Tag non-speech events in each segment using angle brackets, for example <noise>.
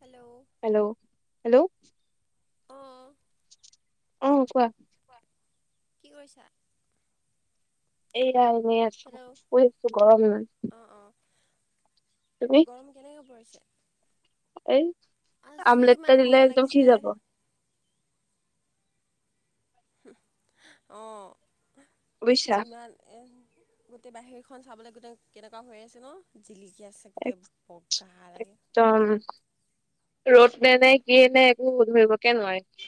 Hello hello hello অ', অ', কোৱা। কি কৰিছা? এই আ, এনে আছো হেল্ল' গৰম না অ', অ', গৰম কেনেকা পৰিছে? এই আছোঁ আমলেট এটা ইমান দিলে গৰম একদম হিজি লাগিছে। যাব হুম, অ', বুজিছা ইমান গোটেই বাহিৰ খন চাবলে গোটেই কেনেকুৱা হৈ আছে ন'। জিলিকি আছে গোটেই বগা হাৰ লাগে। একদম ৰ'দ নে নাই কিয় নাই একো ধৰিব কে নোৱাৰি।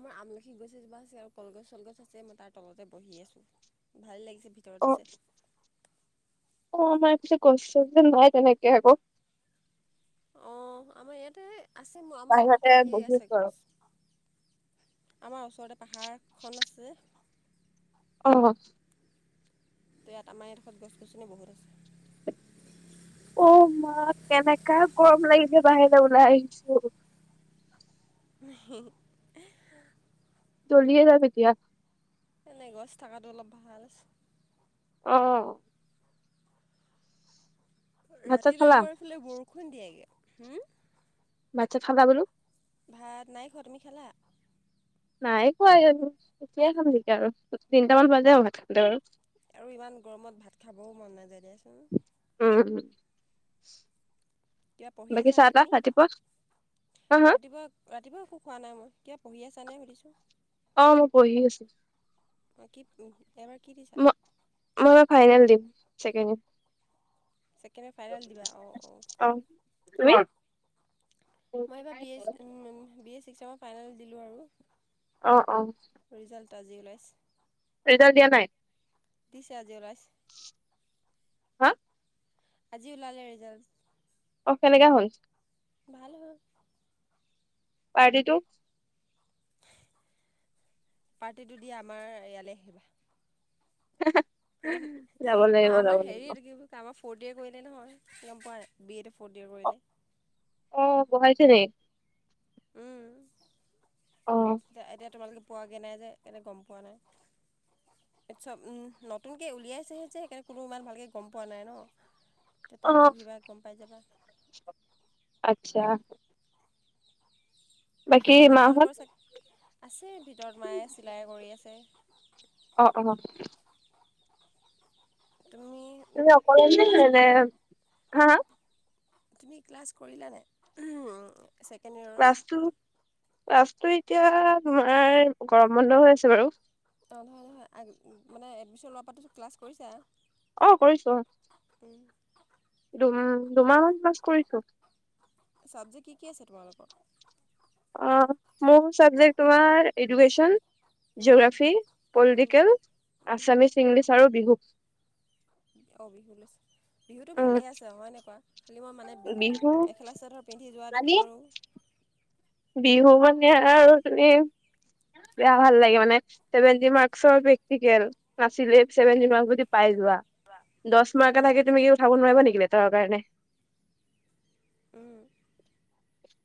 আমাৰ আমলখি গছ এজোপা আছে কলগছ চলগছ আছে মই তাৰ তলতে বহি আছোঁ ভাল লাগিছে। অ ভিতৰত আছে অ', আমাৰ কিছু কনচ নাই তেনেকে আকৌ। অ', আমাৰ ইয়াতে আছে মোৰ আমাৰ বাহিৰতে ঘৰতে ঢেৰ বহি আছে আছো আৰু গছ। আমাৰ ওচৰতে পাহাৰখন আছে। অ', তে ইয়াত আমাৰ এইডখত গছ গছনি বহুত আছে। অ', মা কেনেকা গৰম লাগিছে বাহিৰলে ওলাই আহিছো। <inaudible> জ্বলিয়ে যাম এতিয়া এনেই গছ থকাটো অলপ ভালচ। অ'। ভাত চাত ৰাতিলে খালা আমাৰ এইফালে বৰষুণ দিয়েগে। হু। ভাত-চাত খালা বোলো। ভাত নাই খোৱা, তুমি খালা? নাই খোৱা <unintelligible> এতিয়াই খাম নেকি আৰু। তিনিটামান বাজে আৰু ভাত খাওঁতে আৰু। আৰু ইমান গৰমত ভাত খাবও মন নাযায় দিয়াচোন। উম <inaudible> কিবা পঢ়ি বাকী চাহ আছানে তাহ তুমি? ৰাতিপুৱা হা হা ৰাতিপুৱা ৰাতিপুৱা একো খোৱা নাই মই। পঢ়ি আছানে সুধিছোঁ। অ', মই পঢ়ি আছো। বাকী পঢ় ম-মই ফাইনেল দিম। চেকেণ্ড ইয়ে ছেকেণ্ড ইয়েৰ ফাইনেল দিবা অঁ অঁ <unintelligible> মই এইবাৰ B A um B A six চেমৰ ফাইনেল দিলোঁ আৰু। অ', অ'। তাত যে ওলাইছে? ৰিজাল্ট দিয়া নাই? <unintelligible> হা? আজি ওলালে ৰিজাল্ট। কেনেকে হ'ল? ভাল হ'ল। পাৰ্টিটো। পাৰ্টিটো দিয়া, আমাৰ ইয়ালৈ আহিবা। হয় নিকি? যাব অ', লাগিব যাব আমাৰ হেৰি, লাগিব এইটো কি কয় আমাৰ ফৰ্থ ইয়েৰ কৰিলে নহয় গম পোৱা নাই? বি এ টো। <unintelligible> কৰিলে কি ৰে। উ। এ-এতিয়া তোমালোক পোৱাগৈ নাই যে এনে গম পোৱা নাই চব নতুনকে উলিয়াইছেহে যে সেইকাৰণে কোনো ইমান ভালকৈ গম পোৱা নাই ন ত অ তুমি পঢ়িবা গম পাই যাবা আচ্ছা বাকী তোমালোকৰ আছে ভিতৰত মায়ে চিলাই কৰি আছে অ অ তুমি তুমি অকলে নে ক্লাছ এনে হা তুমি ক্লাছ কৰিলানে ক্লাছটো ক্লাছটো এতিয়া আমাৰ গৰম বন্ধ হৈ আছে বাৰু অঁ নহয় নহয় মানে এডমিশ্যন লোৱাৰ পৰা ক্লাছ কৰিছে অ কৰিছো দুম দুমাহ মান ক্লাছ কৰিছো ছাবজেক্ট কি কি আছে তোমালোকৰ অ মোৰ চাবজেক্ট তোমাৰ এডুকেশ্যন তোমালোকৰ জিঅ'গ্ৰাফী পলিটিকেল আছামিছ ইংলিছ আৰু বিহু অঁ বিহু লৈছ বিহুতটো উম ভালেই আছে হয়নে বাও খালী মই মানে বিহু মেখেলা চাদৰ পিন্ধি যোৱা মানে দেখোঁ আৰু বিহু মানে আৰু তি বেয়া ভাল লাগে মানে ছেভেটি মাৰ্কচৰ প্ৰেক্টিকেল নাছিলেই চেভেনতি মাৰ্ক যদি পাই যোৱা দহ মাৰ্ক উম থাকে তুমি কি উঠাব নোৱাৰিবা নেকি বেতৰ কাৰণে উম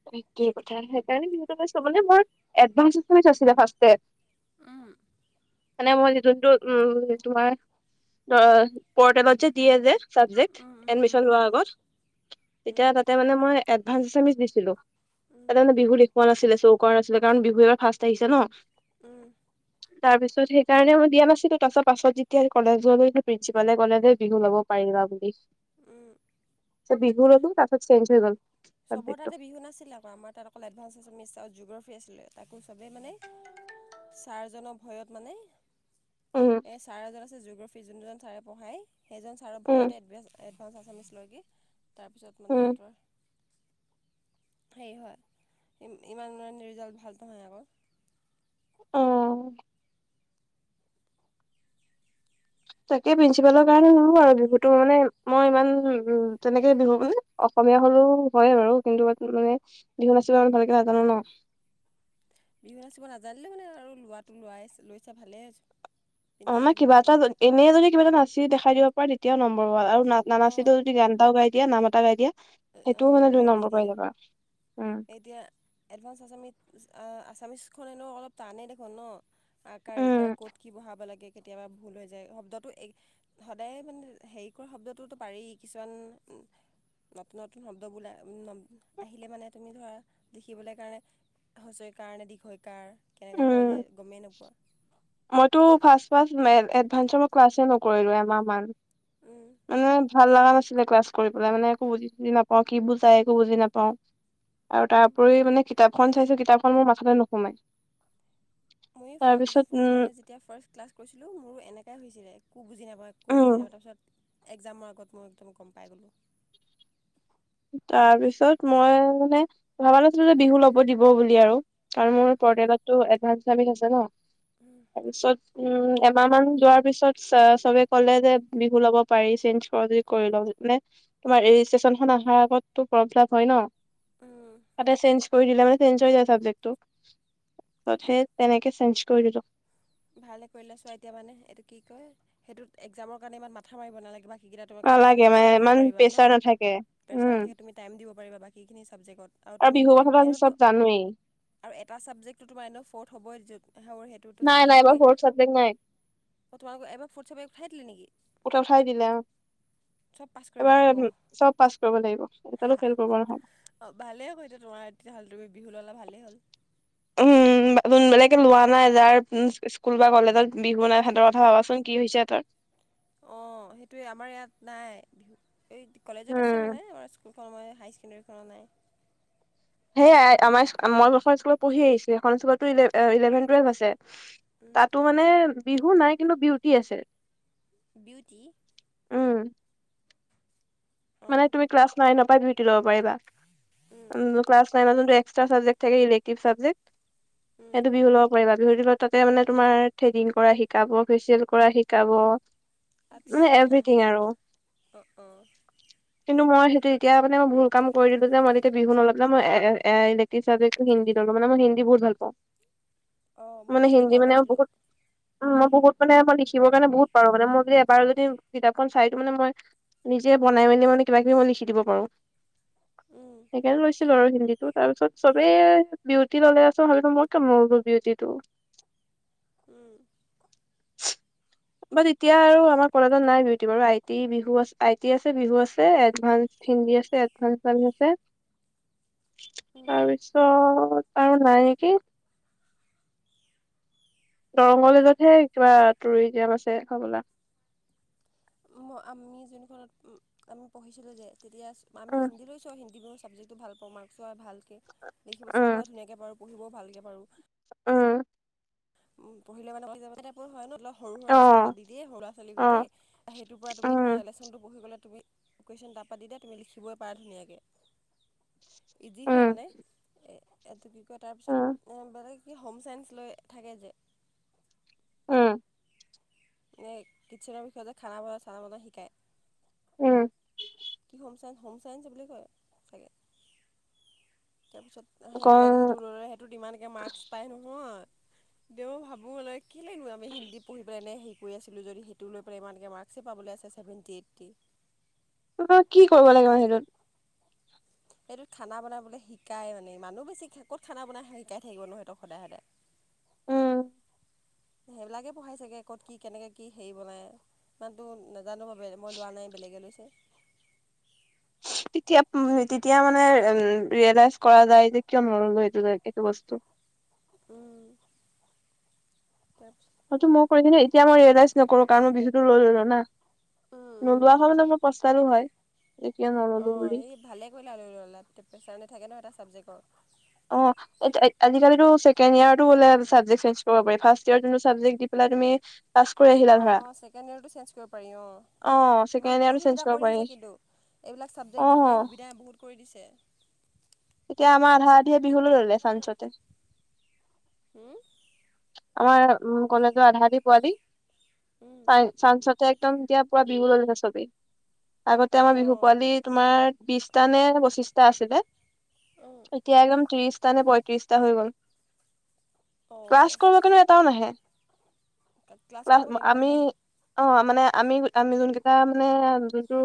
থিকেই কথা সেইকাৰণে বিহুতো লৈছো মানে মোৰ এডভাঞ্জ আচামিচ আছিলে ফাস্টতে উম মানে মই যোনটো উম তোমাৰ পৰ্টেলত যে দিয়ে যে চাবজেক্ট উম উম এডমিচন লোৱাৰ আগত তেতিয়া তাতে মানে মই এডভানস এছমিছ দিছিলো উম তাতে মানে বিহু দেখুওা নাছিলে চৌকা নাছিলে কাৰণ বিহু এবাৰ ফাৰ্ষ্ট আহিছে ন উম তাৰ পিছত সেইকাৰণে মই দিয়া নাছিলো তাৰ পছত পাছত যেতিয়া কলেজ ললো প্ৰিন্ঞ্চিপালে কলে বিহু ল'ব পাৰিবা বুলি উম বিহু ললো তাৰ পিছত চেঞ্জ হৈ গল চবৰ চাবজেক্টটো তাতে বিহু নাছিলে আকৌ আমাৰ তাত অকল এডভান্স, এচামিচ আৰু জিঅ'গ্ৰাফী আছিলে। তাকো চবেই মানে ছাৰজনৰ ভয়ত মানে উম এই ছাৰ এজন আছে জিঅ'গ্ৰাফী যোন জন ছাৰে পঢ়ায় সেইজন ছাৰৰ উম ভয়তে এডভ চচা চামিচ লৈ কি তাৰপিছত মানে উম সিহঁতৰ হেৰি হয় ইমান ম ৰিজাল্ট ভাল নহয় আকৌ অ তাকে প্ৰিন্ঞ্চিপালৰ কাৰণে নহো আৰু বিহুতো মানে মই ইমান উম তেনেকে বিহু আস অসমীয়া হলেও হয় বাৰু কিন্তু মানে বিহু নাচিব ভালকে নাজানো ন বিহু নাচিব নাজানিলে মানে আৰু লোৱাটো লোৱাই লৈছো ভালেই অ পিন্ধি ন মে কিবা এটা এনেই যদি কিবা এটা নাচি দেখাই দিব পাৰে তেতিয়াও নম্বৰ হ আৰু ন নাচো অঁ যদি গান এওাই দিয়া নাম এটা গাই দিয়া সেইটোও মানে দুই নাম্বাৰ দি নম্বৰ পাই দিয়ে যাবা উম। এতিয়া এডভানস আছামিছ আছামিছখন এনেঅলপ টানেই দেখোন ন আকাৰ ইকাৰ উম, ক'ত কি বহাব লাগে কেতিয়াবা ভুল হৈ যায় শব্দটো সদায় মানে হেৰি কৰা শব্দটোতো পাৰি কিছুমান নতুন নতুন শব্দবোল আহিলে মানে তুমি ধৰা লিখিবলৈ কাৰণে হুঁচৰি কাৰণে দীঘ ই কাৰ কেনেকুৱা হয় যে উম। গমেই নোপোৱা মইতো ফাস্ট ফাস্ট এডভাঞ্চৰ মই ক্লাচে নকৰিলো এমাহ মান ছিল ক্লাছ কৰি পেলাই মানে একো বুজি বুজি নাপাও কি বুজাই একো বুজি নাপাও আৰু তাৰ উপৰি মানে কিতাপখন চাইছো কিতাপখন মোৰ মাথতে নোসোমাই মই তাৰপিছত উম মানে যেতিয়া ফাৰ্ষ্ট ক্লাছ কৰিছিলোঁ মোৰো এনেকাই হৈছিলে কো বুজি নাপায় কৈ উম বুজি নাপায় তাৰপিছত এক্জামৰ আগত মই একদম গম পাই গ'লোঁ তাৰ পিছত মই মানে ভাবা নাছিলো যে বিহু ল'ব দিব বুলি আৰু আৰু মোৰ পৰিয়ালতো এডভানস চি আছে ন তাৰপিছত উম এমাহ মান যোৱাৰ পিছত চবে ক'লে যে বিহু ল'ব পাৰি চেঞ্জ কৰ যদি কৰি লওঁ যদি মান তমাৰ অাৰ আগ্ হয় ন উম, তাতে চ দে মানে চ য্ তেনেকে চ কৰি দো ভালে কৰিলে চোৱা এতিয়া মানে এইটো কি কয় সেইটোত এক্জামৰ কাৰণে ইমান মাথা মাৰিব নালাগে ম সেইকেইটা তোম কাৰণে তুি নালাগে বেছি মানে পঢ়িব ইমান পাৰা ন প্ৰেচাৰ নাথাকে প্ৰোৰন উম থাকে তুমি টাইম দিব পাৰা বাকীখিনি ছাবজেক্টত আৰু তুমি বিহুৰ কথাটো আি এনেওতো চব জানোৱেই আৰু এটা চাবজেক্টো তোম ফথ হ' নাই নাই সেইটোটোক্ এইবাৰ তুমি ফৰ্থ চাবজেক্ট নাই অ তোমালোকৰ এবাৰ ফৰ্ চ বাইক উঠাই দিলা নেকি উঠা উঠাই দিলে অ চব পাছ কৰিব লাগিব এবাৰ চব পাছ কৰিব লাগিব এয়ালো ফেইল কৰিব নহ'ব অ ভালেই হ'ল এতিয়া তোমাৰ তেতিয়াহ'লে তুমি বিহু ললা ভালেই হ'ল উমোন বেলেকে লোৱা নাই যাৰ স্কুল বা কলেজত বিহু নাই সিহঁতৰ কথা ভাবাচোন কি হৈছে তাৰ অ সেইটোয়ে আমাৰ ইয়াত নাই বিহু এই কলেজত আছে উম মানে আমাৰ স্কুল ফল মই হাইাৰ ছেকেণ্ডেৰী কৰা নাই সেয়াই আমাৰ মই এ স্কুলত পঢ়ি আহিছো এখন স্কুলতো ইলেভেন টুৱেল্ভ আছে উম, তাতো মানে বিহু নাই কিন্তু বিউটি আছে বিউটি উম অঁ া্ থ উম <unintelligible> উম সেইটো বিহু লগ পাৰিবা বিহুৰ দিনত তাতে মানে তোমাৰ থ্ৰেডিং কৰা শিকাব ফেচিয়েল কৰা শিকাব মানে আচ্ছা এভৰিথিং আৰু অ অঁ কিন্তু মই সেইটো এতিয়া মানে মই ভুল কাম কৰি দিলো যে মই এতিয়া বিহু নল ম এ হিন্দী অল মই হিন্দী বহুত ভাল পাওঁ অঁ মই মানে হিন্দী ভাল মানে পাইছিলোঁ বহুত বহুত মানে মই লিখিবৰ কাৰণে বহুত পাৰো মান মই যদি এবাৰ যদি কিতাপখন চাইতো মানে মই যে বনাই মেলি মানে কিবা কিবি মই লিখি দিব পাৰো সেইকাৰণে লৈছিলো আৰু হিন্দীত তাৰ পিছত চবেই বিউটি ললে আছে ভাবিলো মই কমলো বিউটিটো উম বাট এতিয়া আৰু আমাৰ কলেজত নাই বিউটি বাৰ আই টি বিহু আছে আই টি আছে বিহু আছে এডভানস হিন্দী আছে এডভানস চি আছে তাৰপিছ তাৰ নাই কি দৰং কলেজতহে কিবা টুৰিজিয়াম আছে হবলা আমি যোনখনতমি পঢ়িছিলোঁ যে তেতিয়া আমি উম, হিন্দী লৈছো হিন্দী চাবজেক্টটো ভাল পওঁ মাৰ্কটো ভালকৈ উম, লিখিবিিকিিবও ধুনীয়ৈ পাৰো পঢ়িবও ভালকৈ পাৰোঁ উম উ পঢ়িলে মানে যাব হয় ন সৰু সৰু আলচ্যন এটা অ', দি দিয়েই সৰু লৰা ছোৱালী গটেই অ', সেইটোৰ পৰা তুমি ধৰা উম, এলেচ্যন পঢ়ি গ'লে তুমি লকেশ্যন তাৰপৰা দি দা তুমি লিখিবই পাৰা ধুনীয়াকৈ ইজি হয় উম, মানে এ এইটো কি কয় তাৰ পিছত উম, এ বেলে কি হোম চাইন্ঞ্চ লৈ থাকে যে উম, কিটচেনৰ বিষয়তে খানা বন চানা বনাই শিকায় উম কি হম চ হোম চাইেস বুলি কয় চাগে তাৰপিছত সেই ক বেলেগে সেইটো লৈ ল'লে সেইটোত ইমানকৈ মাৰ্কচ পায় নহয় দেও ভাবো ল কি লনো আমি হিন্দী পঢ়ি পেলাই নে হ আছিলোঁ যদি সেইটো লৈ পেলাই ইমানকে মাৰ্কচই পাবলৈ আছে ছেভেণ্টি এইটি। তমাৰ কি কৰিব লাগে ম সেইটোত। সেইটোত খানা বনাবলৈ শিকাই মানে মানুহ বেছি ক'ত খানা বনাই শিকাই থাকিব নহতক সদায় সদায়। উম সেইবিলাকে পঢ়াই চাগে ক'ত কি কেনেকে কি হেৰি বনাই ইমানতো নাজানো ব মই লোৱা নাই ব বেলেগে লৈছে। <unintelligible> তেতিয়া, তেতিয়া মানে উ ৰিয়েলাইজ কৰা যায় যে কিয় নললো এইটো, এইটো বস্তু। উম', তা হয়টো মই কৰিছ এতিয়া মই ৰিয়েলাইজ নকৰো কাৰণ মই বিহুতো লৈ ললো ন। নোলোৱা হৈ মানে মই প্ৰস্থালো হৈ। অ', এই ভালেই কৰিল ল অলপ প্ৰেছাৰ নেথাকে ন এটা ছাবজেক্টৰ। অ', আজিকালি ছেকেড ইয়াৰোলোবজে চ পাৰি ফাৰয় যোনটো চাবেক্ দি পেলাই। তমি অ', অ, ছেকেণ্ড ইয়েৰটো চেঞ্জ কৰিব পাৰি অ, ইমান ছেকেণ্ড ইয়াৰটো বহুত চেঞ্জ সুবিধা কৰিব কৰি পাৰি দিছে কিন্তু এইবিলাক অ চাবজেক্ট দি পেলাই সুবিধা বহুত কৰি দিছে। তেতিয়া আমাৰ আধা আধিয়া বিহুলৈ ললে চানঞ্চতে। হুম আমাৰ উ কলেজৰ আধাি পোৱালি চ চঞ্চত। ততে একদম এতিয়া পুৰা বিহু ললে চবেই, আগতে আমাৰ বিহু অঁ পোৱালি তোমাৰ। বিশটা নে পঁচিশটা আছিলে এতিয়া একদম ত্ৰিশ সানে পঁয়ত্ৰিশটা হৈ গ'ল। অঁ ক্লাছ কৰিব কাৰণো এটাও নাহে ক্লাছ কৰিব কিন্তু আমি নাহে অ', মানে। আমি আমি যোন কেইটা মানে যোনটো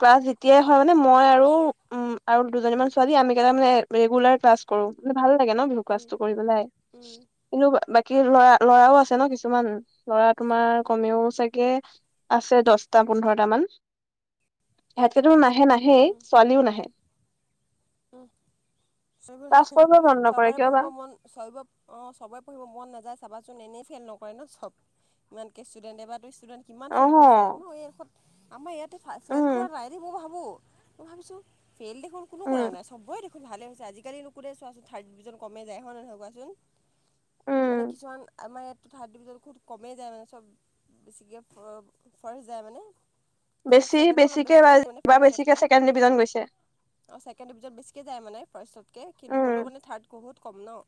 ক্লাছ যেতিয়াই হয়। মান মই আৰু উ আৰু দুজনীমান ছোৱালী আমটা মানে ৰেগুলাৰ ক্লাছ কৰো। ভাল লাগে ন বিহু উম কচটো কৰিব পেলাই উম কিন্তু বাকী লৰা ল'ৰাও আছে ন কিছুমান। ল'ৰা উম তোমাৰ কমেও চাগে। আছে দছটা পোন্ধৰটা মান ইহ নাহে নাহে ছোৱালীও নাহে। উম', ক্লাছ কৰিব মন নকৰে চবাৰে কিয় বা পঢ়িব মন চাবিব। অ', চবেই পঢ়িব মন নাযায় চাবাচোন এনেই ফেইল নকৰে ন চব, ইমানকে ষ্টুডেণ্টে বা ত ষ্টুডেণ্ট কিমান ফেইল অহ কৰিছে মই এইডোত আমাৰ ইয়াতে ফেইল কৰা উম নাই দ মই ভাবোঁ। ই ভাবিছো ফেইল দেখোন কোনো। কৰা উম নাই চবৰে ভালেই হৈছে আজিকালিো চোৱাচোন থাৰ্ড ডিভিজন কমে যায় হয় নহয় কোৱাচোন। মানে উম কিছুমান আমাৰ ইয়াত। থাৰ্ড ডিজনত খু কমেই যায় মানে চব, বেছিকে ফৰেচ যায় মানে। তাৰপিছত বেছি ছেকেণ্ডো অলপ বেছিকে বেছিকৈ যায় মানে কিবা বেছিকে ছেকেণ্ড ডিভিজন গৈছে। অ', ছেকেণ্ড ডিভিজন বেছিকৈায় মানে ফাৰ্ষ্তকৈ কিন্তু উম হ'লেওানোৰড বহুত কম ন।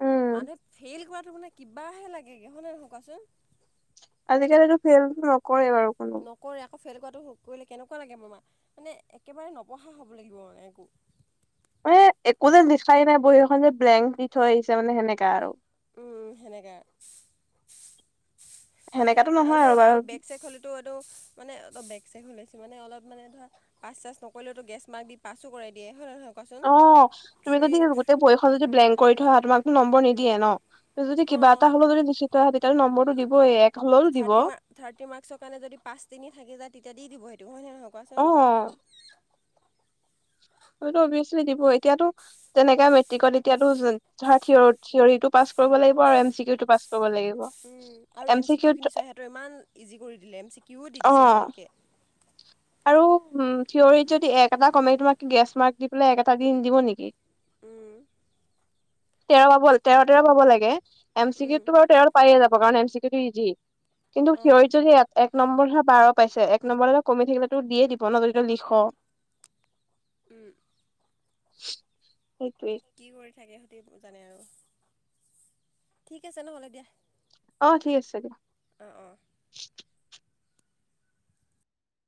উম মানুহে ফেইল কৰাটো মানে কিবাহে লাগেগে হনে নহয় কোৱাচোন। আজিকালিটো ফে'ল নকৰে বাৰু কোনো। নকৰে আকৌ ফেইল কৰাটো কৰিলে কেনেকুৱা লাগে মোৰ মা মানে একেবাৰে নপঢ়া হ'ব লাগিব মানে একো। ম, একো যেন লিখাই নাই বহী এখন যে ব্লেংক দি থৈ আহিছে মানে সেনেকা আৰু। উম', সেনেকে। আৰু সেনেকাতো নহয় আৰুটো বাৰু আৰু বেক চেগ হ'লে এইটো মানে বেগ চে হলে। কিছমান অলপ মানে ধৰা পাছ চাছ নকৰিলেওতো গেছ মাৰ্ক পছো কৰাই দিয়ে হয় নহয়। কোৱাচোন অ', তুমি থ্ৰী যদি গোটেই বয়খন যদি ব্লেংক কৰি থৈ আহ তোমাকতো নম্বৰ নিদিয়ে ন। যদি কিবা অঁ এটা হ'লে যদি লশ্চিত হয় তেতিয়াাহলে নম্বৰটো দই এক। হ'লেওতো দিব ছাৰ্টি মাক, মাকচৰ কাৰণে যদি পচ তিনি থাকি য তেতিয়া দি দিব। হয় নে নহয়, কোৱাচোন। অ হয়টো অভিয়াচলি দিব এতিয়াতো তেনেককাে মেট্ৰিকত এতিয়ো ধ, থ থটো পাছ। কৰিব লাগিব আৰু এম চিউটো পা আৰু এম চি কিউ খিনি চয় সিহঁতৰ ইমান ইজি কৰি দিলে এম চি কিউও দি অ দিছে ইমানকে। আৰু থিয়ৰিত যদি এক এটা কমে তোমাক গ্ৰেছ মাৰ্ক দি পেলাই এক এটা দি দিব নেকি উ তেৰ পাব তেৰ তেৰ পাব লাগে এম উম, চিিকউতো বাৰু তেৰ পায়ে যাব কাৰণ এম চি কিউ টো ইজি কিন্তু অঁ হিয়ৰিতো সেই এক নম্বৰ হে বাৰ পাইছে এক নম্বৰটা কমি থাকিলো দিয়ে দিব বনদৰিিত লিখ উম ত কি কৰি থাকে সেইতে জানে আৰু ঠিক আছে নহ'লে দিয়া অ ঠিক আছে দিয়া অঁ অঁ